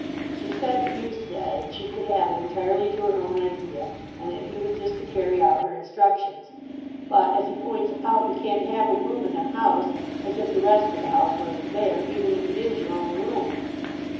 She said that you said she could have it entirely to her own idea, and that he was just to carry out her instructions; but, as he points out, you can't have a room in a house as if the rest of the house wasn't there, even if it is your own room.